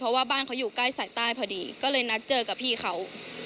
เพราะว่าบ้านเขาอยู่ใกล้สายใต้พอดีก็เลยนัดเจอกับพี่เขา